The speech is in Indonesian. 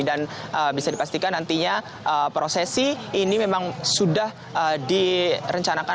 dan bisa dipastikan nantinya prosesi ini memang sudah direncanakan